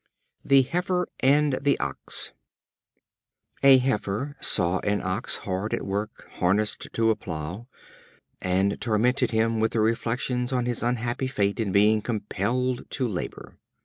The Heifer and the Ox. A Heifer saw an Ox hard at work harnessed to a plough, and tormented him with reflections on his unhappy fate in being compelled to labor.